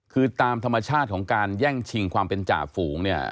คือตามธรรมชาติของการแย่งชิงความเป็นจ่าฝูงเนี่ย